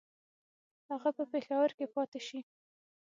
هغه په پېښور کې پاته شي.